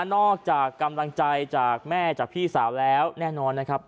นอกจากกำลังใจจากแม่จากพี่สาวแล้วแน่นอนนะครับ